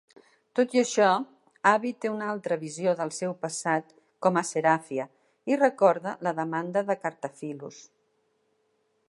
Tot i això, Abby té una altra visió del seu passat com a Seraphia i recorda la demanda de Cartaphilus.